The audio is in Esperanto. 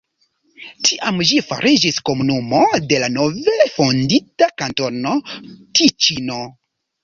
Tiam ĝi fariĝis komunumo de la nove fondita Kantono Tiĉino.